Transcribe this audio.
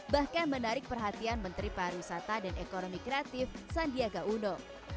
bahkan menarik perhatian menteri pariwisata dan ekonomi kreatif sandiaga uno